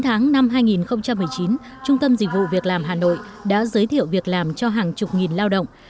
chín tháng năm hai nghìn một mươi chín trung tâm dịch vụ việc làm hà nội đã giới thiệu việc làm cho hàng chục nghìn lao động